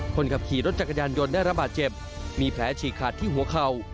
คนขับขี่รถจักรยานยนต์ได้ระบาดเจ็บมีแผลฉีกขาดที่หัวเข่า